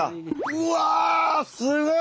うわすごい。